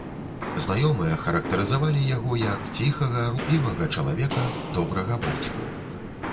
Знаёмыя характарызавалі яго як ціхага, руплівага чалавека, добрага бацьку.